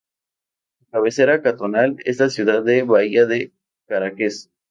Su cabecera cantonal es la ciudad de Bahía de Caráquez.